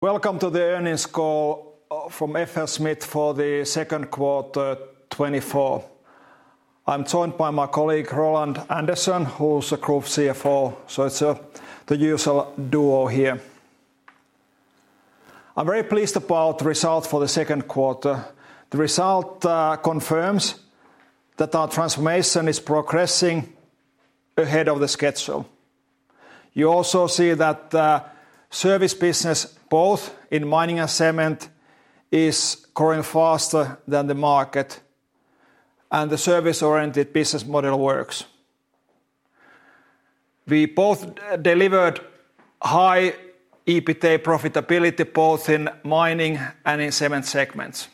...Welcome to the earnings call from FLSmidth for the second quarter 2024. I'm joined by my colleague Roland Andersen, who's the Group CFO, so it's the usual duo here. I'm very pleased about the result for the second quarter. The result confirms that our transformation is progressing ahead of the schedule. You also see that the service business, both in mining and cement, is growing faster than the market, and the service-oriented business model works. We both delivered high EBITA profitability both in mining and in cement segments.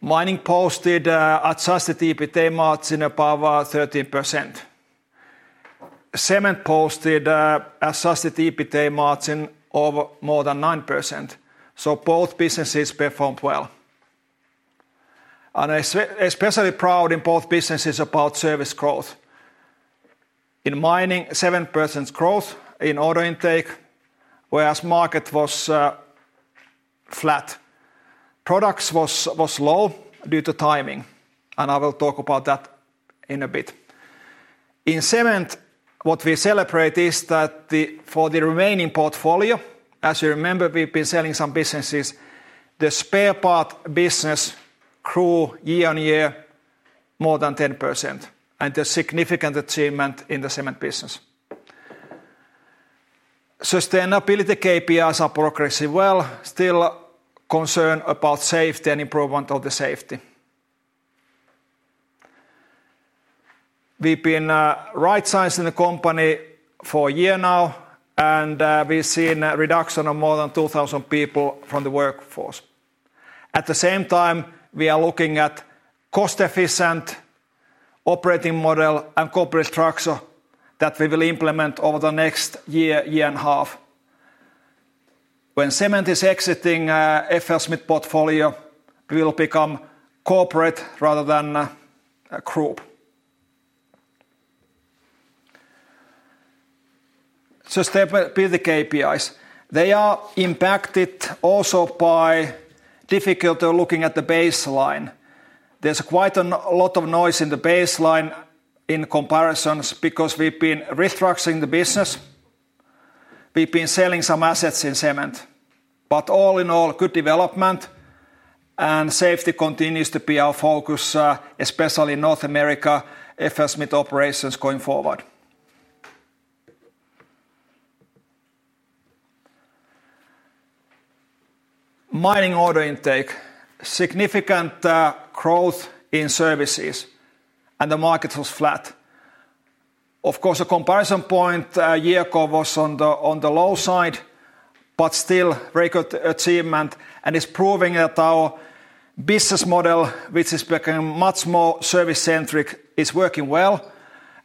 Mining posted adjusted EBITA margin above 13%. Cement posted adjusted EBITA margin of more than 9%, so both businesses performed well. And I especially proud in both businesses about service growth. In mining, 7% growth in order intake, whereas market was flat. Products was low due to timing, and I will talk about that in a bit. In cement, what we celebrate is that the, for the remaining portfolio, as you remember, we've been selling some businesses, the spare part business grew year-on-year more than 10%, and a significant achievement in the cement business. Sustainability KPIs are progressing well. Still concern about safety and improvement of the safety. We've been right-sizing the company for a year now, and we've seen a reduction of more than 2,000 people from the workforce. At the same time, we are looking at cost-efficient operating model and corporate structure that we will implement over the next year, year and a half. When cement is exiting FLSmidth portfolio, we will become corporate rather than a group. Sustainability KPIs. They are impacted also by difficulty looking at the baseline. There's quite a lot of noise in the baseline in comparisons, because we've been restructuring the business. We've been selling some assets in cement. But all in all, good development, and safety continues to be our focus, especially in North America, FLSmidth operations going forward. Mining order intake: significant growth in services, and the market was flat. Of course, the comparison point year ago was on the low side, but still very good achievement, and it's proving that our business model, which is becoming much more service-centric, is working well,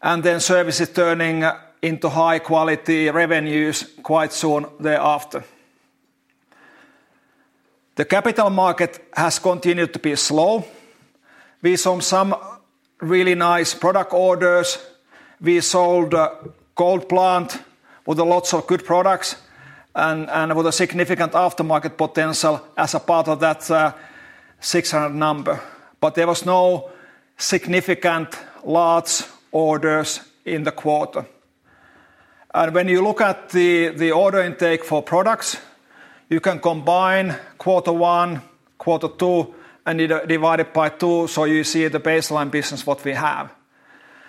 and then service is turning into high-quality revenues quite soon thereafter. The capital orders have continued to be slow. We saw some really nice product orders. We sold a gold plant with lots of good products and with a significant aftermarket potential as a part of that 600 number. But there was no significant large orders in the quarter. And when you look at the order intake for products, you can combine quarter one, quarter two, and divide it by 2, so you see the baseline business what we have.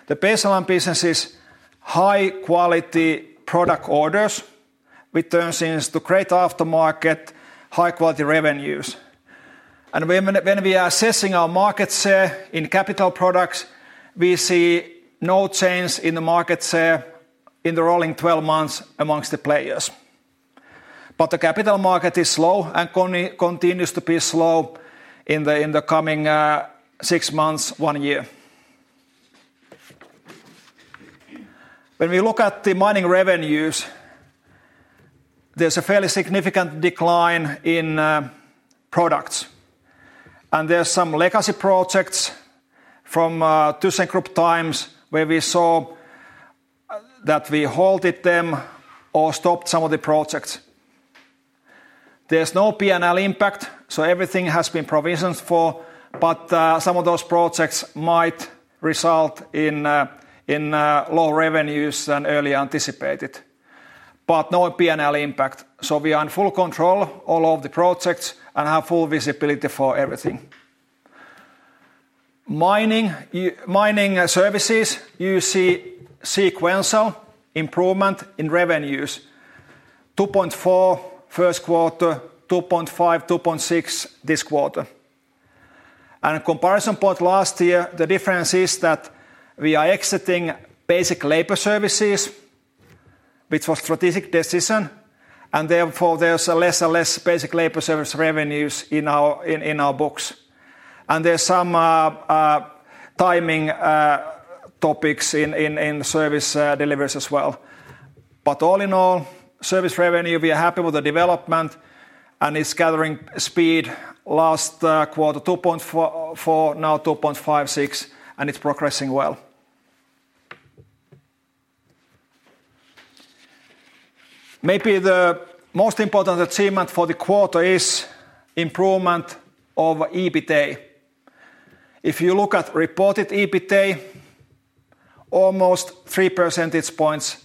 The baseline business is high-quality product orders, which turns into great aftermarket, high-quality revenues. And when we are assessing our market share in capital products, we see no change in the market share in the rolling 12 months amongst the players. But the capital market is slow and continues to be slow in the coming six months, 1 year. When we look at the mining revenues, there's a fairly significant decline in products, and there's some legacy projects from thyssenkrupp times, where we saw that we halted them or stopped some of the projects. There's no P&L impact, so everything has been provisioned for, but some of those projects might result in lower revenues than earlier anticipated, but no P&L impact. So we are in full control all of the projects and have full visibility for everything. Mining services, you see sequential improvement in revenues: 2.4 first quarter, 2.5, 2.6 this quarter. Comparison point last year, the difference is that we are exiting basic labor services, which was strategic decision, and therefore, there's less and less basic labor service revenues in our books. There's some timing topics in service deliveries as well. But all in all, service revenue, we are happy with the development, and it's gathering speed. Last quarter, 2.44, now 2.56, and it's progressing well. Maybe the most important achievement for the quarter is improvement of EBITA. If you look at reported EBITA, almost three percentage points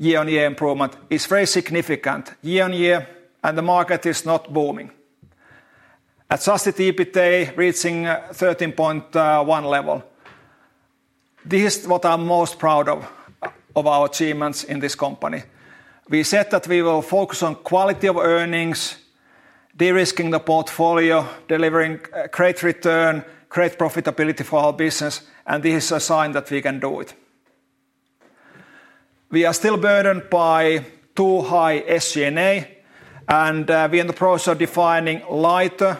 year-on-year improvement is very significant year-on-year, and the market is not booming. Adjusted EBITA reaching 13.1 level. This is what I'm most proud of, of our achievements in this company. We said that we will focus on quality of earnings, de-risking the portfolio, delivering great return, great profitability for our business, and this is a sign that we can do it. We are still burdened by too high SG&A, and we are in the process of defining lighter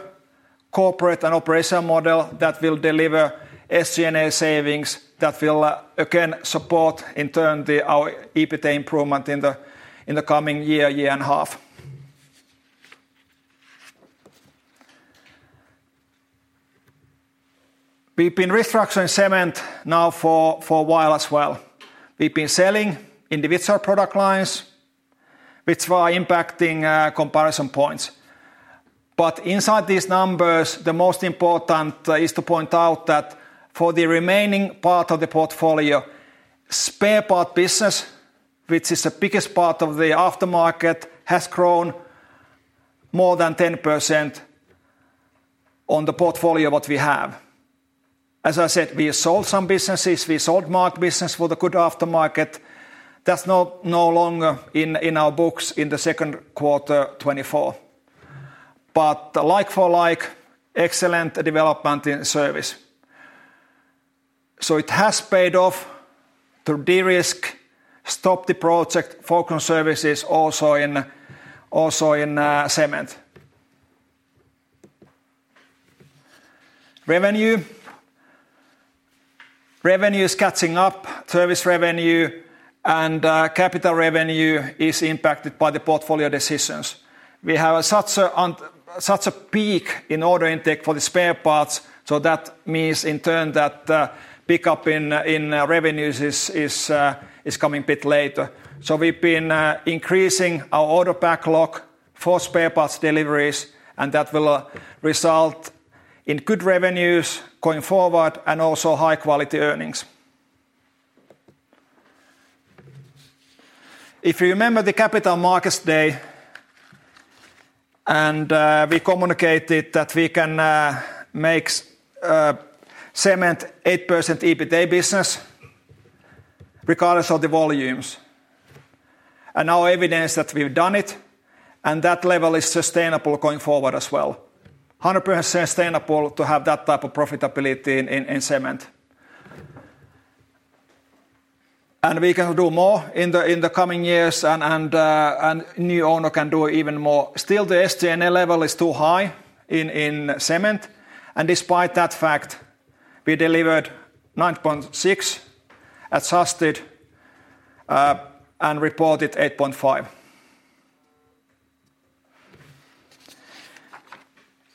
corporate and operational model that will deliver SG&A savings that will again support in turn our EBITA improvement in the coming year and a half. We've been restructuring Cement now for a while as well. We've been selling individual product lines, which were impacting comparison points. But inside these numbers, the most important is to point out that for the remaining part of the portfolio, spare part business, which is the biggest part of the aftermarket, has grown more than 10% on the portfolio what we have. As I said, we sold some businesses. We sold MAAG business for the good aftermarket. That's no longer in our books in the second quarter 2024. But like for like, excellent development in service. So it has paid off to de-risk, stop the project, focus on services also in Cement. Revenue is catching up. Service revenue and capital revenue is impacted by the portfolio decisions. We have such a peak in order intake for the spare parts, so that means, in turn, that pickup in revenues is coming a bit later. So we've been increasing our order backlog for spare parts deliveries, and that will result in good revenues going forward and also high-quality earnings. If you remember the Capital Markets Day, we communicated that we can make Cement 8% EBITA business, regardless of the volumes, and now evidence that we've done it, and that level is sustainable going forward as well. 100% sustainable to have that type of profitability in Cement. And we can do more in the coming years, and new owner can do even more. Still, the SG&A level is too high in Cement, and despite that fact, we delivered 9.6 adjusted and reported 8.5.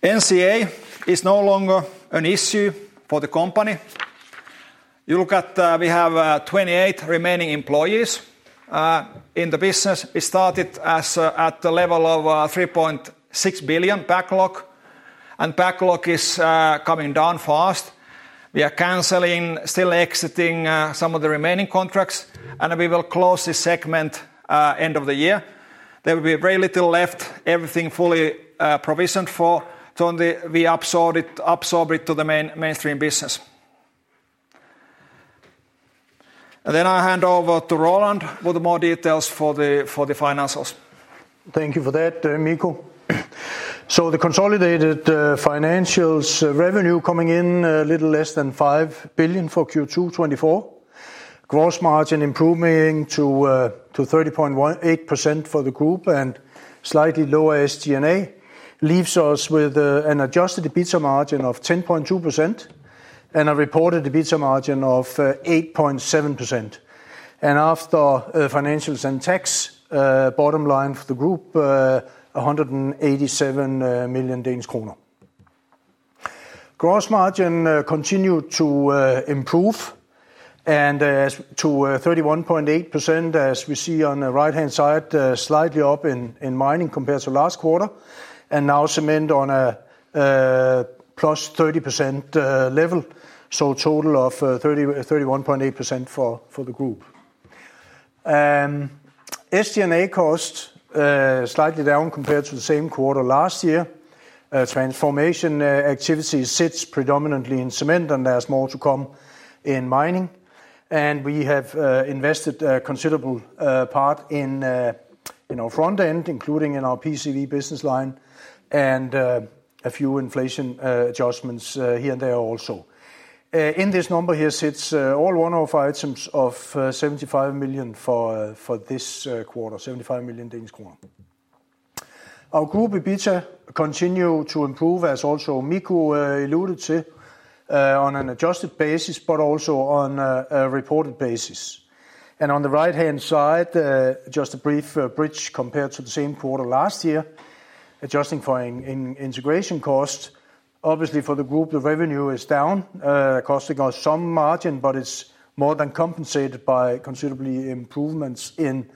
NCA is no longer an issue for the company. You look at, we have 28 remaining employees in the business. We started at the level of 3.6 billion backlog, and backlog is coming down fast. We are canceling, still exiting some of the remaining contracts, and we will close this segment end of the year. There will be very little left, everything fully provisioned for, so in the... we absorb it to the mainstream business. And then I hand over to Roland with more details for the financials. Thank you for that, Mikko. So the consolidated financials revenue coming in a little less than 5 billion for Q2 2024. Gross margin improving to 31.8% for the group and slightly lower SG&A, leaves us with an adjusted EBITA margin of 10.2% and a reported EBITA margin of 8.7%. And after financials and tax, bottom line for the group, 187 million Danish kroner. Gross margin continued to improve to 31.8%, as we see on the right-hand side, slightly up in mining compared to last quarter, and now Cement on a +30% level, so a total of 31.8% for the group. SG&A cost slightly down compared to the same quarter last year. Transformation activity sits predominantly in Cement, and there's more to come in Mining. We have invested a considerable part in our front end, including in our PCV business line, and a few inflation adjustments here and there also. In this number here sits all one-off items of 75 million for this quarter. Our group EBITA continue to improve, as also Mikko alluded to, on an adjusted basis, but also on a reported basis. On the right-hand side, just a brief bridge compared to the same quarter last year, adjusting for integration costs. Obviously, for the group, the revenue is down, costing us some margin, but it's more than compensated by considerably improvements in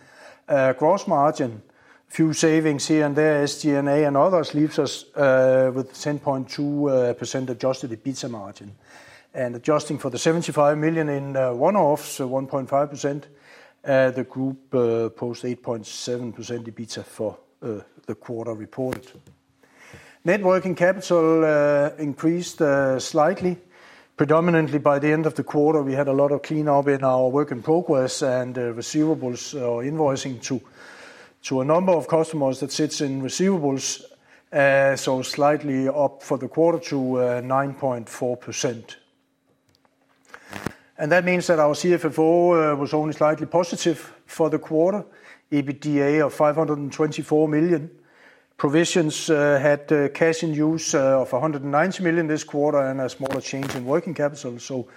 gross margin. Few savings here and there, SG&A and others, leaves us with 10.2% adjusted EBITA margin. And adjusting for the 75 million in one-offs, so 1.5%, the group posts 8.7% EBITA for the quarter reported. Net working capital increased slightly. Predominantly by the end of the quarter, we had a lot of cleanup in our work in progress and receivables or invoicing to a number of customers that sits in receivables, so slightly up for the quarter to 9.4%. And that means that our CFFO was only slightly positive for the quarter. EBITA of 524 million. Provisions had cash in use of 190 million this quarter, and a smaller change in working capital, so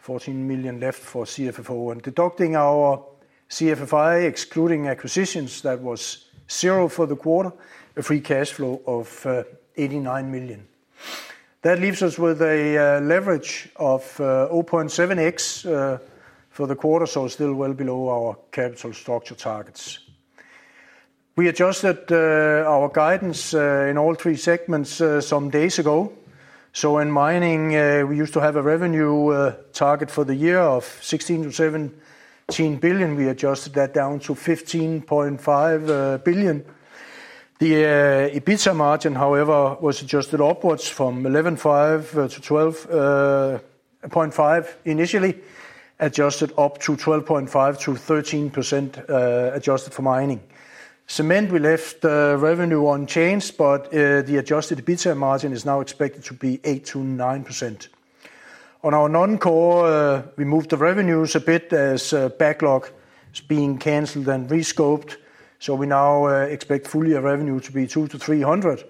14 million left for CFFO. And deducting our CFFI, excluding acquisitions, that was 0 for the quarter, a free cash flow of 89 million. That leaves us with a leverage of 0.7x for the quarter, so still well below our capital structure targets. We adjusted our guidance in all three segments some days ago. So in mining, we used to have a revenue target for the year of 16-17 billion. We adjusted that down to 15.5 billion. The EBITA margin, however, was adjusted upwards from 11.5%-12.5%, initially adjusted up to 12.5%-13%, adjusted for mining. Cement, we left the revenue unchanged, but the adjusted EBITDA margin is now expected to be 8%-9%. On our non-core, we moved the revenues a bit as backlog is being canceled and re-scoped. So we now expect full-year revenue to be 200 million-300 million,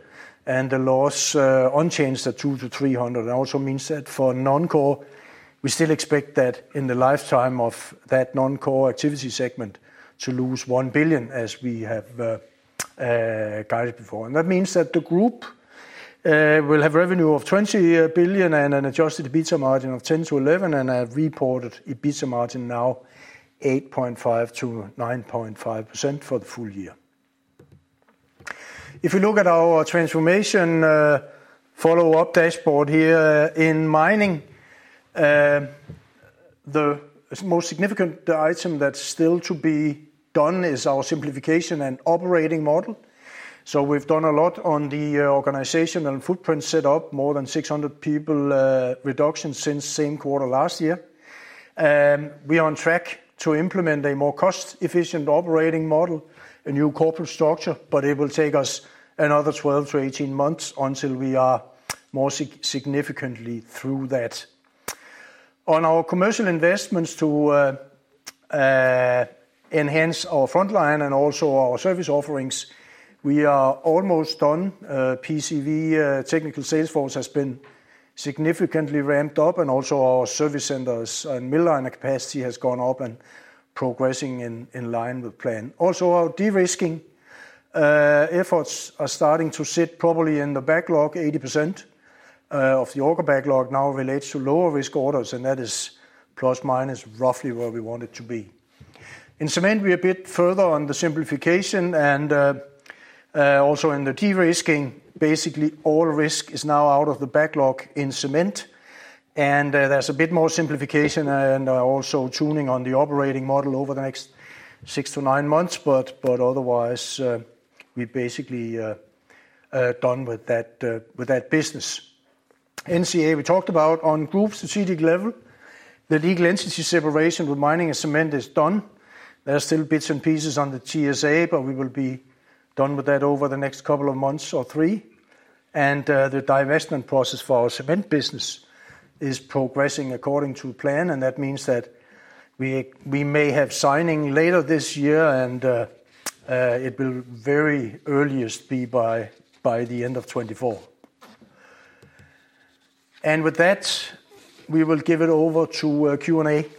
and the loss unchanged at 200 million-300 million. It also means that for non-core, we still expect that in the lifetime of that non-core activity segment, to lose 1 billion, as we have guided before. And that means that the group will have revenue of 20 billion and an adjusted EBITDA margin of 10%-11%, and a reported EBITDA margin now 8.5%-9.5% for the full year. If we look at our transformation follow-up dashboard here in mining, the most significant item that's still to be done is our simplification and operating model. So we've done a lot on the organization and footprint set up, more than 600 people reduction since same quarter last year. We are on track to implement a more cost-efficient operating model, a new corporate structure, but it will take us another 12-18 months until we are more significantly through that. On our commercial investments to enhance our frontline and also our service offerings, we are almost done. PCV technical sales force has been significantly ramped up, and also our service centers and mill liner capacity has gone up and progressing in line with plan. Also, our de-risking efforts are starting to sit properly in the backlog. 80%, of the order backlog now relates to lower-risk orders, and that is ±, roughly where we want it to be. In cement, we're a bit further on the simplification and also in the de-risking. Basically, all risk is now out of the backlog in cement, and there's a bit more simplification and also tuning on the operating model over the next 6-9 months. But otherwise, we're basically done with that, with that business. NCA, we talked about on group strategic level. The legal entity separation with mining and cement is done. There are still bits and pieces on the TSA, but we will be done with that over the next couple of months or 3. And, the divestment process for our cement business is progressing according to plan, and that means that we may have signing later this year, and it will very earliest be by the end of 2024. And with that, we will give it over to Q&A. Ladies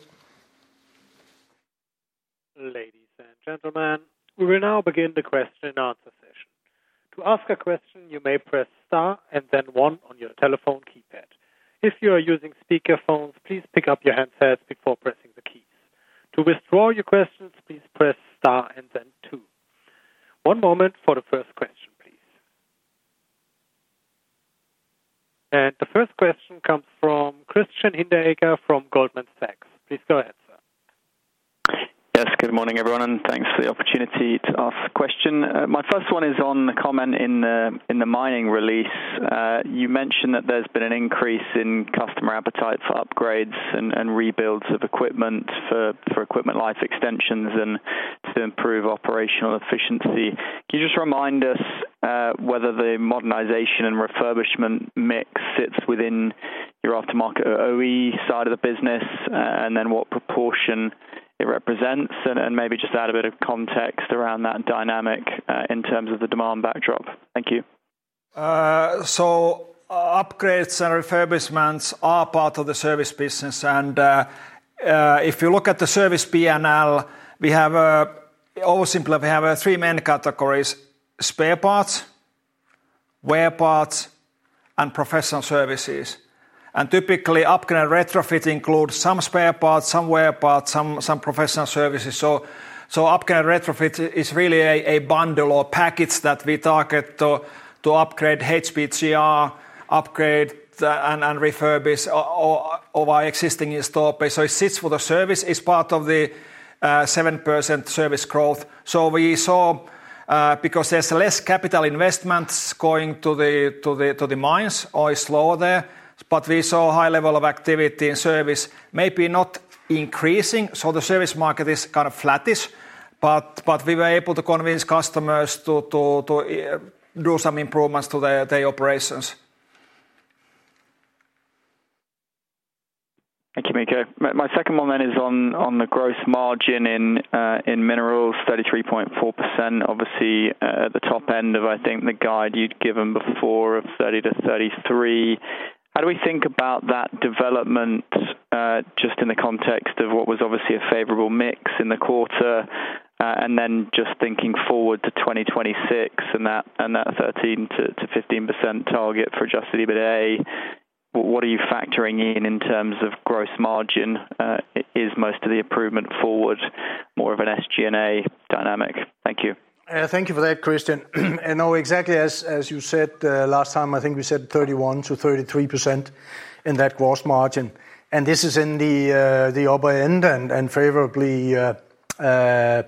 and gentlemen, we will now begin the question and answer session. To ask a question, you may press star and then one on your telephone keypad. If you are using speakerphones, please pick up your handsets before pressing the keys. To withdraw your questions, please press star and then two. One moment for the first question, please. And the first question comes from Christian Hinderaker from Goldman Sachs. Please go ahead, sir. Yes, good morning, everyone, and thanks for the opportunity to ask a question. My first one is on the comment in the mining release. You mentioned that there's been an increase in customer appetite for upgrades and rebuilds of equipment for equipment life extensions and to improve operational efficiency. Can you just remind us whether the modernization and refurbishment mix sits within your aftermarket OE side of the business, and then what proportion it represents? And maybe just add a bit of context around that dynamic in terms of the demand backdrop. Thank you.... So, upgrades and refurbishments are part of the service business. And, if you look at the service PNL, we have, overall simply, we have three main categories: spare parts, wear parts, and professional services. And typically, upgrade and retrofit includes some spare parts, some wear parts, some professional services. So, upgrade and retrofit is really a bundle or package that we target to upgrade HPGR, upgrade the and refurbish of our existing installed base. So it sits for the service, is part of the 7% service growth. So we saw, because there's less capital investments going to the mines, or it's slow there, but we saw a high level of activity in service, maybe not increasing, so the service market is kind of flattish, but we were able to convince customers to do some improvements to their operations. Thank you, Mikko. My second one then is on the gross margin in minerals, 33.4%, obviously at the top end of, I think, the guide you'd given before of 30%-33%. How do we think about that development just in the context of what was obviously a favorable mix in the quarter, and then just thinking forward to 2026, and that thirteen to fifteen percent target for adjusted EBITA, what are you factoring in in terms of gross margin? Is most of the improvement forward more of an SG&A dynamic? Thank you. Thank you for that, Christian. And no, exactly as, as you said, last time, I think we said 31%-33% in that gross margin, and this is in the, the upper end and, and favorably,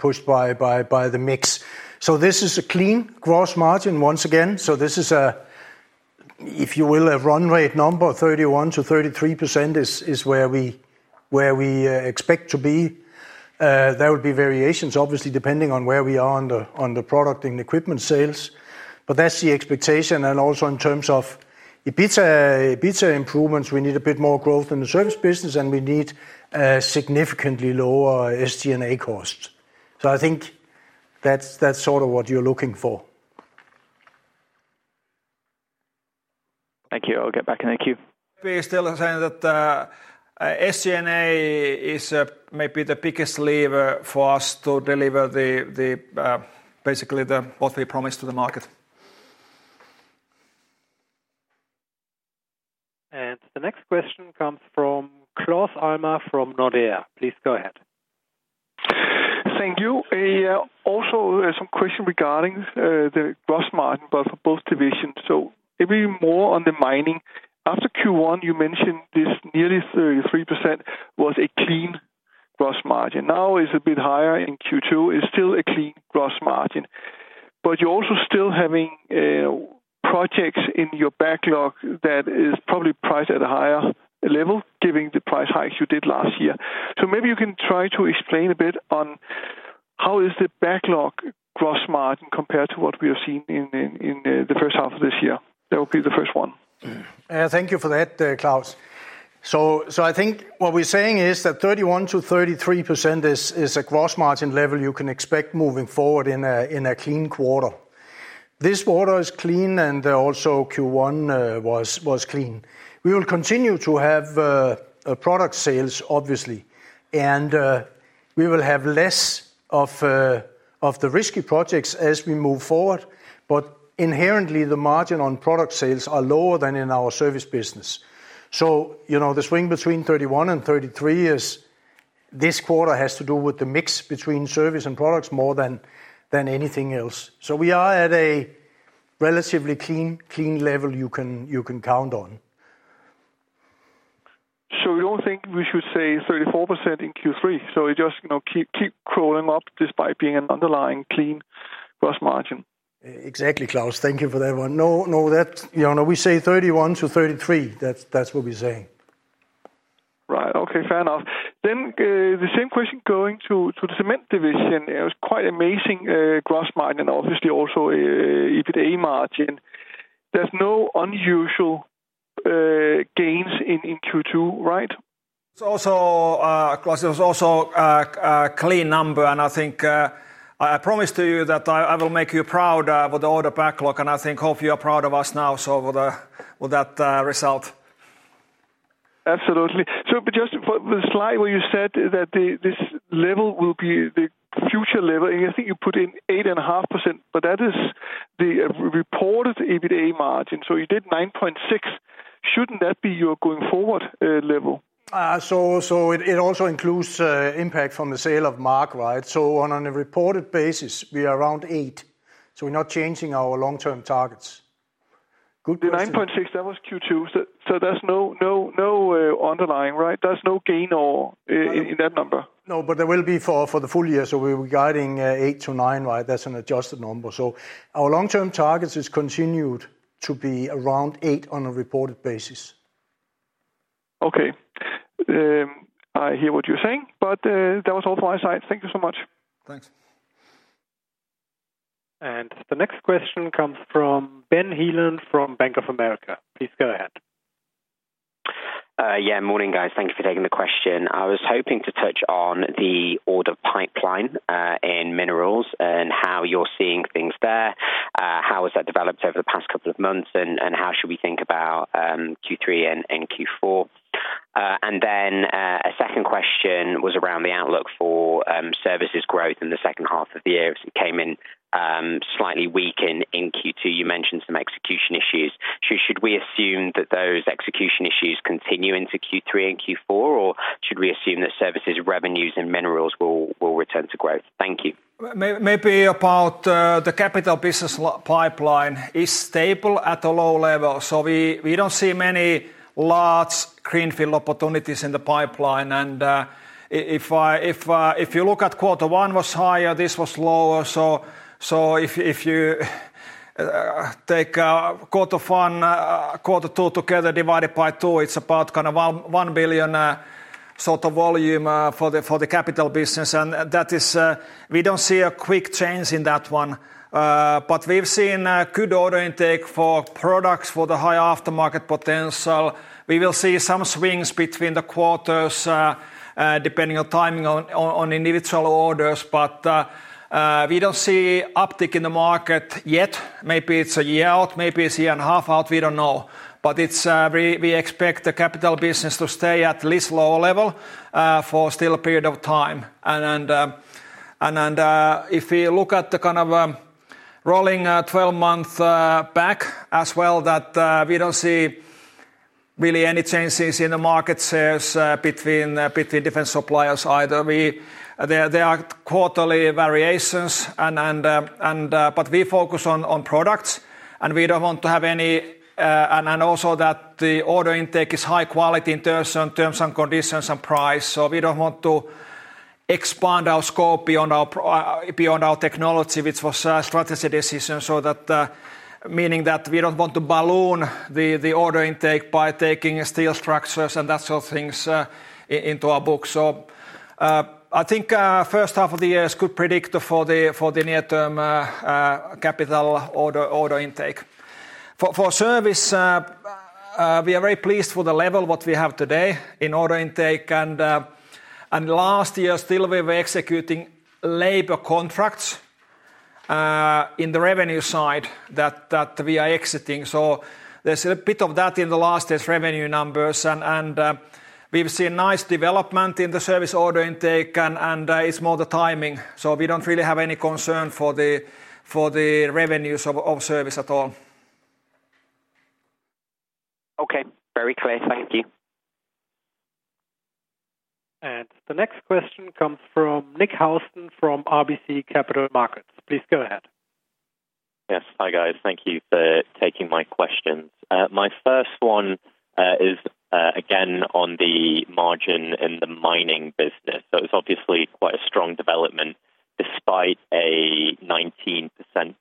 pushed by, by, by the mix. So this is a clean gross margin once again. So this is a, if you will, a run rate number, 31%-33% is, is where we, where we, expect to be. There will be variations, obviously, depending on where we are on the, on the product and equipment sales, but that's the expectation. And also in terms of EBITA, EBITA improvements, we need a bit more growth in the service business, and we need a significantly lower SG&A cost. So I think that's, that's sort of what you're looking for. Thank you. I'll get back, and thank you. We are still saying that SG&A is maybe the biggest lever for us to deliver basically what we promised to the market. The next question comes from Claus Almer from Nordea. Please go ahead. Thank you. Also, some question regarding the gross margin, but for both divisions. So maybe more on the mining. After Q1, you mentioned this nearly 33% was a clean gross margin. Now it's a bit higher, in Q2, it's still a clean gross margin. But you're also still having projects in your backlog that is probably priced at a higher level, giving the price hikes you did last year. So maybe you can try to explain a bit on how is the backlog gross margin compared to what we have seen in the first half of this year? That would be the first one. Thank you for that, Claus. So I think what we're saying is that 31%-33% is a gross margin level you can expect moving forward in a clean quarter. This quarter is clean, and also Q1 was clean. We will continue to have product sales, obviously, and we will have less of the risky projects as we move forward, but inherently, the margin on product sales are lower than in our service business. So, you know, the swing between 31%-33% is, this quarter has to do with the mix between service and products more than anything else. So we are at a relatively clean level you can count on. So you don't think we should say 34% in Q3? So it just, you know, keep, keep crawling up despite being an underlying clean gross margin. Exactly, Claus. Thank you for that one. No, no, that... You know, we say 31-33. That's, that's what we're saying. Right. Okay, fair enough. Then, the same question going to the cement division. It was quite amazing, gross margin and obviously also, EBITA margin. There's no unusual gains in Q2, right? It's also, Claus, it was also a clean number, and I think I promised to you that I will make you proud with the order backlog, and I think, hope you are proud of us now, so with that result. Absolutely. So but just for the slide where you said that the, this level will be the future level, and I think you put in 8.5%, but that is the reported EBITA margin. So you did 9.6. Shouldn't that be your going forward level? So it also includes impact from the sale of MAAG right? So on a reported basis, we are around eight, so we're not changing our long-term targets. Good. The 9.6 million, that was Q2. So, there's no underlying, right? There's no gain or income in that number? No, but there will be for the full year, so we're guiding 8-9, right? That's an adjusted number. So our long-term targets is continued to be around 8 on a reported basis. Okay. I hear what you're saying, but, that was all for my side. Thank you so much. Thanks. The next question comes from Ben Heelan from Bank of America. Please go ahead. ... Yeah, morning, guys. Thank you for taking the question. I was hoping to touch on the order pipeline in minerals and how you're seeing things there. How has that developed over the past couple of months, and how should we think about Q3 and Q4? And then, a second question was around the outlook for services growth in the second half of the year. It came in slightly weak in Q2. You mentioned some execution issues. So should we assume that those execution issues continue into Q3 and Q4, or should we assume that services revenues and minerals will return to growth? Thank you. Maybe about the capital business pipeline is stable at a low level, so we don't see many large greenfield opportunities in the pipeline. And if I... If you look at quarter one was higher, this was lower. So if you take quarter one, quarter two together, divided by two, it's about kind of one billion sort of volume for the capital business. And that is, we don't see a quick change in that one. But we've seen good order intake for products for the high aftermarket potential. We will see some swings between the quarters, depending on timing on individual orders. But we don't see uptick in the market yet. Maybe it's a year out, maybe it's a year and a half out, we don't know. But it's, we expect the capital business to stay at least low level, for still a period of time. And then, if we look at the kind of rolling 12-month back as well, that we don't see really any changes in the market shares, between between different suppliers either. There are quarterly variations and. But we focus on products, and we don't want to have any. And also that the order intake is high quality in terms and conditions and price. We don't want to expand our scope beyond our technology, which was a strategy decision, so that meaning that we don't want to balloon the order intake by taking steel structures and that sort of things into our books. So, I think first half of the year is good predictor for the near-term capital order intake. For service, we are very pleased with the level what we have today in order intake. And last year, still we were executing labor contracts in the revenue side that we are exiting. So there's a bit of that in last year's revenue numbers, and we've seen nice development in the service order intake and it's more the timing, so we don't really have any concern for the revenues of service at all. Okay. Very clear. Thank you. The next question comes from Nick Housden from RBC Capital Markets. Please go ahead. Yes. Hi, guys. Thank you for taking my questions. My first one is again on the margin in the mining business. So it's obviously quite a strong development despite a 19%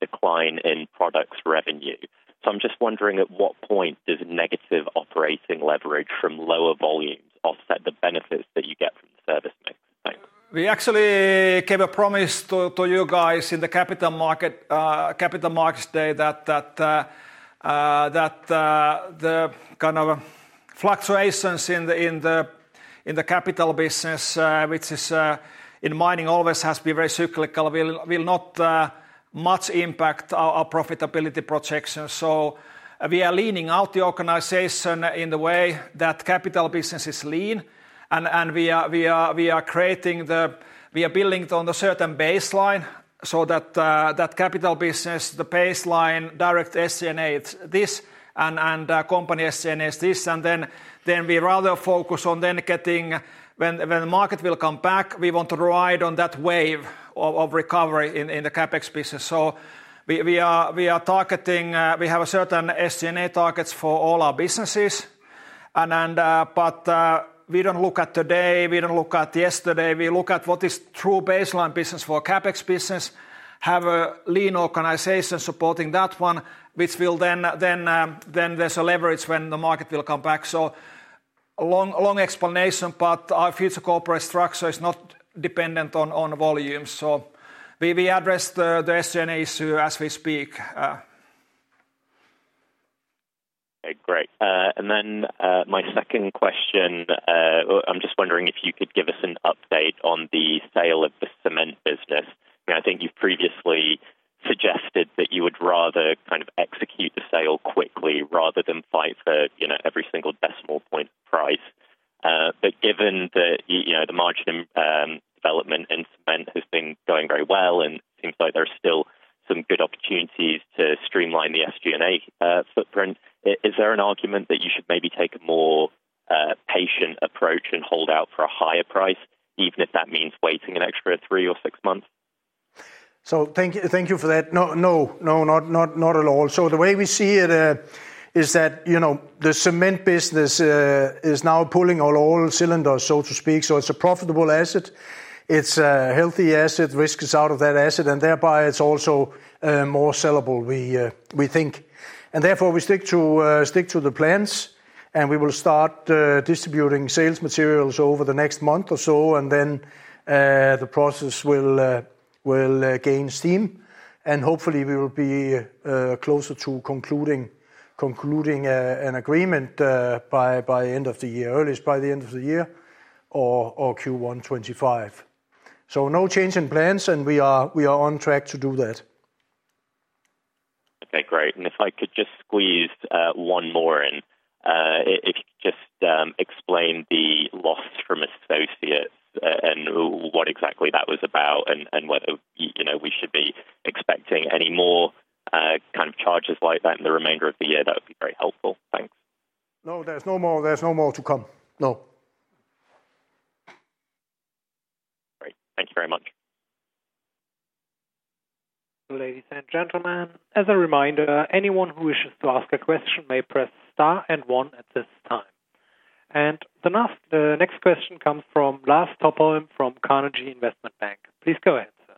decline in products revenue. So I'm just wondering, at what point does negative operating leverage from lower volumes offset the benefits that you get from the service mix? Thanks. We actually gave a promise to you guys in the Capital Markets Day that the kind of fluctuations in the capital business, which is in mining always has to be very cyclical, will not much impact our profitability projections. So we are leaning out the organization in the way that capital business is lean, and we are building it on a certain baseline so that capital business, the baseline, direct SG&A, it's this, and company SG&A is this. And then we rather focus on getting... When the market will come back, we want to ride on that wave of recovery in the CapEx business. So we are targeting. We have a certain SG&A targets for all our businesses, but we don't look at today, we don't look at yesterday. We look at what is true baseline business for CapEx business, have a lean organization supporting that one, which will then there's a leverage when the market will come back. So a long, long explanation, but our future corporate structure is not dependent on volume. So we address the SG&A issue as we speak. Okay, great. And then my second question, well, I'm just wondering if you could give us an update on the sale of the cement business. I think you've previously suggested that you would rather kind of execute the sale quickly rather than fight for, you know, every single decimal point price. But given the you know, the margin development in cement has been going very well, and it seems like there are still some good opportunities to streamline the SG&A footprint, is there an argument that you should maybe take a more patient approach and hold out for a higher price, even if that means waiting an extra three or six months? So thank you for that. No, no, no, not, not, not at all. So the way we see it is that, you know, the cement business is now pulling on all cylinders, so to speak. So it's a profitable asset. It's a healthy asset. Risk is out of that asset, and thereby it's also more sellable, we think. And therefore, we stick to the plans, and we will start distributing sales materials over the next month or so, and then the process will.... will gain steam, and hopefully we will be closer to concluding an agreement by end of the year, at least by the end of the year or Q1 2025. So no change in plans, and we are on track to do that. Okay, great. If I could just squeeze one more in. If you could just explain the loss from associates and what exactly that was about, and whether you know we should be expecting any more kind of charges like that in the remainder of the year, that would be very helpful. Thanks. No, there's no more, there's no more to come. No. Great. Thank you very much. Ladies and gentlemen, as a reminder, anyone who wishes to ask a question may press star and one at this time. The next question comes from Lars Topholm from Carnegie Investment Bank. Please go ahead, sir.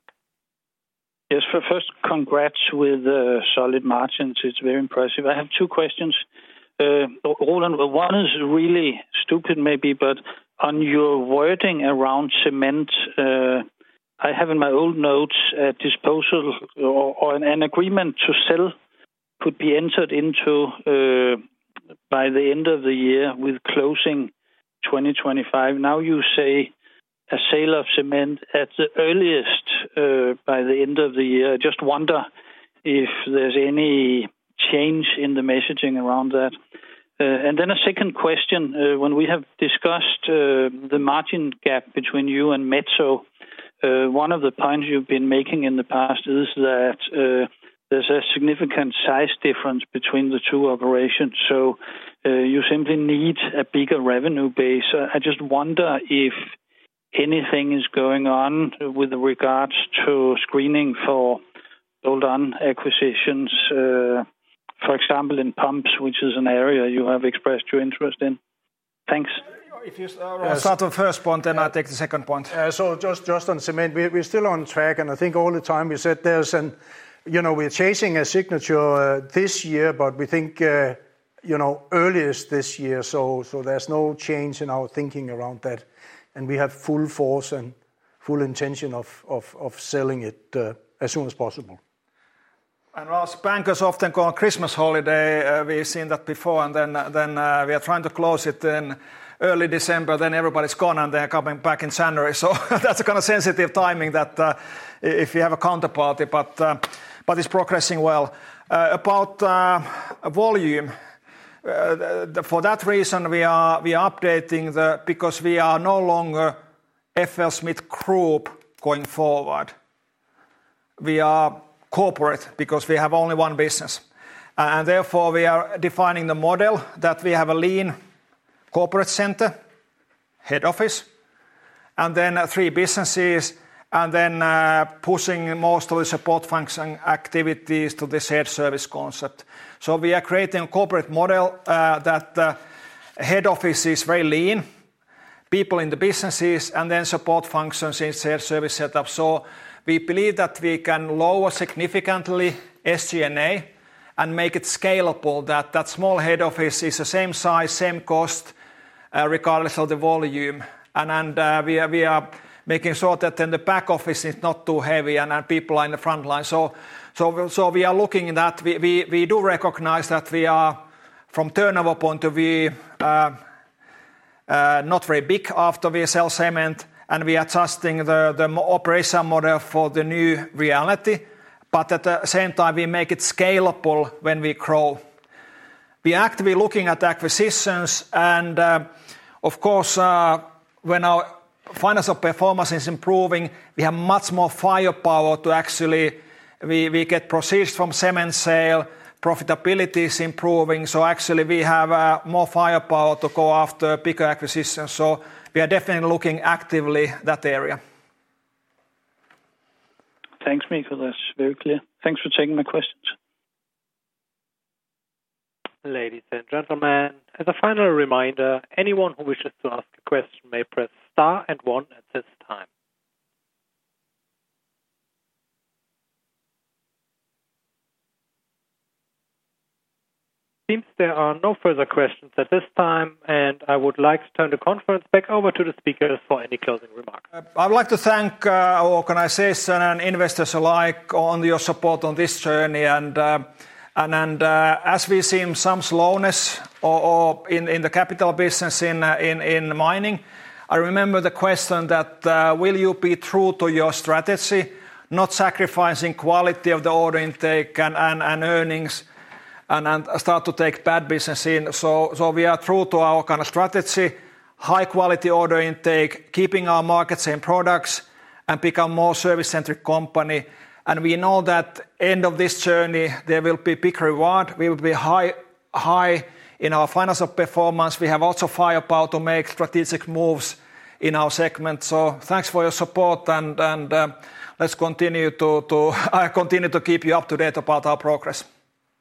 Yes, so first congrats with solid margins. It's very impressive. I have two questions. Overall, one is really stupid maybe, but on your wording around cement, I have in my old notes a disposal or an agreement to sell could be entered into by the end of the year with closing 2025. Now you say a sale of cement at the earliest by the end of the year. Just wonder if there's any change in the messaging around that? And then a second question, when we have discussed the margin gap between you and Metso, one of the points you've been making in the past is that there's a significant size difference between the two operations, so you simply need a bigger revenue base. I just wonder if anything is going on with regards to screening for build-on acquisitions, for example, in pumps, which is an area you have expressed your interest in. Thanks. If you s- uh- Start on first point, then I'll take the second point. So, just on cement, we're still on track, and I think all the time we set this, and, you know, we're chasing a signature this year, but we think, you know, earliest this year. So there's no change in our thinking around that, and we have full force and full intention of selling it as soon as possible. As bankers often go on Christmas holiday, we've seen that before, and then we are trying to close it in early December, then everybody's gone, and they're coming back in January. So that's a kind of sensitive timing that, if you have a counterparty, but it's progressing well. About volume, for that reason, we are updating the... Because we are no longer FLSmidth Group going forward. We are corporate because we have only one business, and therefore, we are defining the model that we have a lean corporate center, head office, and then three businesses, and then pushing most of the support function activities to the shared service concept. So we are creating a corporate model that head office is very lean, people in the businesses, and then support functions in shared service setup. So we believe that we can lower significantly SG&A and make it scalable, that that small head office is the same size, same cost, regardless of the volume. And we are making sure that then the back office is not too heavy, and our people are in the front line. So we are looking at that. We do recognize that we are from turnover point of view not very big after we sell cement, and we are adjusting the operation model for the new reality, but at the same time, we make it scalable when we grow. We actively looking at acquisitions, and, of course, when our financial performance is improving, we have much more firepower to actually we get proceeds from cement sale, profitability is improving, so actually we have more firepower to go after bigger acquisitions. So we are definitely looking actively that area. Thanks, Mikko. That's very clear. Thanks for taking my questions. Ladies and gentlemen, as a final reminder, anyone who wishes to ask a question may press star and one at this time. Seems there are no further questions at this time, and I would like to turn the conference back over to the speakers for any closing remarks. I would like to thank our organization and investors alike on your support on this journey, and as we've seen some slowness in the capital business in mining, I remember the question that, "Will you be true to your strategy, not sacrificing quality of the order intake and earnings, and start to take bad business in?" So we are true to our kind of strategy, high quality order intake, keeping our markets and products, and become more service-centric company. And we know that end of this journey, there will be big reward. We will be high in our financial performance. We have also firepower to make strategic moves in our segment. So thanks for your support, and let's continue to...I continue to keep you up to date about our progress.